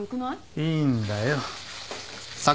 いいんだよ。